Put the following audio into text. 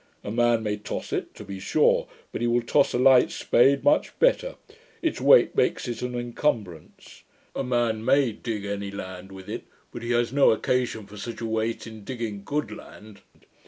A man may toss it, to be sure; but he will toss a light spade much better: its weight makes it an incumbrance. A man MAY dig any land with it; but he has no occasion for such a weight in digging good land.